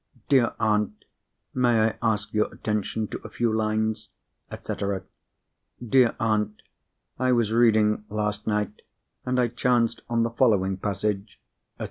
"Dear aunt, may I ask your attention to a few lines?" &c. "Dear aunt, I was reading last night, and I chanced on the following passage," &c.